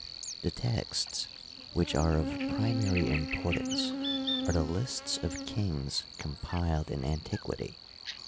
The texts which are of primary im portance are the lists of kings compiled in antiquity.